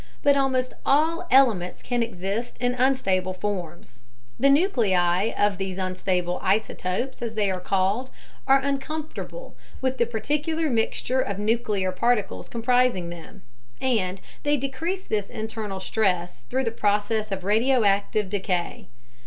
But almost all elements can exist in unstable forms. The nuclei of these unstable "isotopes," as they are called, are "uncomfortable" with the particular mixture of nuclear particles comprising them, and they decrease this internal stress through the process of radioactive decay.